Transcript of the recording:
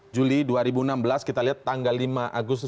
juli dua ribu enam belas kita lihat tanggal lima agustus dua ribu enam belas